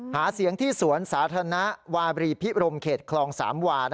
หาเสียงที่สวนสาธารณะวาบรีพิรมเขตคลองสามวา